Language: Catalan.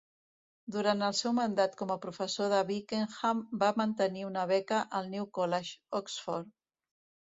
Durant el seu mandat com a professor de Wykeham, va mantenir una beca al New College, Oxford.